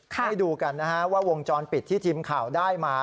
ให้ดูกันนะฮะว่าวงจรปิดที่ทีมข่าวได้มา